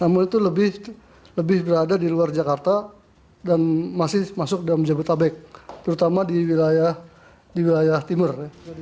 namun itu lebih berada di luar jakarta dan masih masuk dalam jabodetabek terutama di wilayah timur